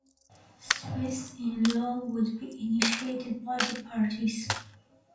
Suits in law would be initiated by the parties.